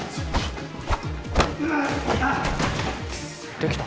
できた。